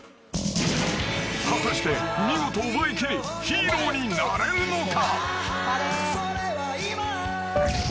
［果たして見事覚えきりヒーローになれるのか？］